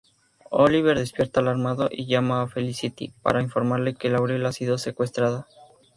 Oliver despierta alarmado y llama a Felicity para informarle que Laurel ha sido secuestrada.